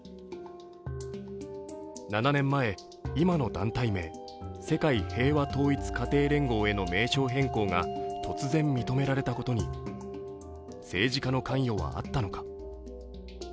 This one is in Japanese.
７年前、今の団体名、世界平和統一家庭連合への名称変更が突然認められたことに政治家の関与はあったのか。